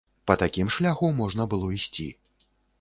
Па такім шляху можна было ісці.